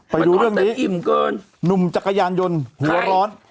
ไปดูเรื่องนี้หนุ่มจักรยานยนต์หัวร้อน